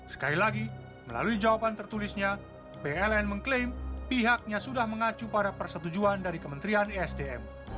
sekali lagi melalui jawaban tertulisnya pln mengklaim pihaknya sudah mengacu pada persetujuan dari kementerian esdm